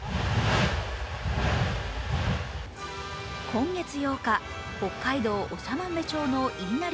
今月８日、北海道長万部町の飯生